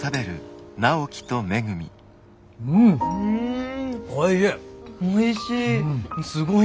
うんおいしい！